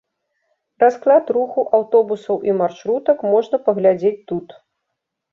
Расклад руху аўтобусаў і маршрутак можна паглядзець тут.